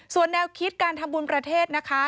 ส่วนแนวคิดการทำบุญประเทศนะคะ